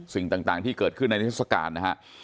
สิ่งต่างที่เกิดขึ้นในนิทัศกาลนะฮะ